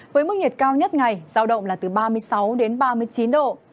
với mức nhiệt cao nhất ngày giao động là từ ba mươi sáu đến ba mươi chín độ